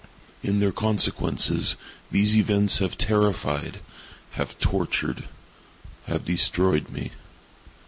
In their consequences, these events have terrified—have tortured—have destroyed me.